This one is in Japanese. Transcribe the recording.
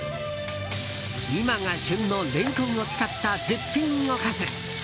今が旬のレンコンを使った絶品おかず。